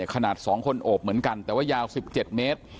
ขนาด๒คนโอบเหมือนกันแต่ว่ายาว๑๗เมตร